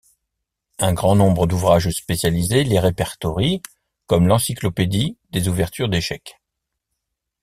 Un grand nombre d'ouvrages spécialisés les répertorient, comme l'Encyclopédie des ouvertures d'échecs.